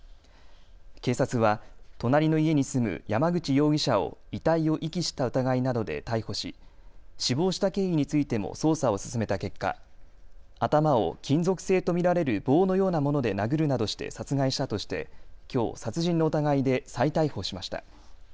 警察は隣の家に住む山口容疑者を遺体を遺棄した疑いなどで逮捕し死亡した経緯についても捜査を進めた結果、頭を金属製と見られる棒のようなもので殴るなどして殺害したとしてきょう殺人の疑いで再逮捕しました。